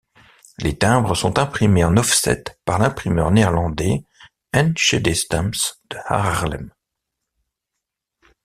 Les timbres sont imprimés en offset par l'imprimeur néerlandais Enschedé Stamps de Haarlem.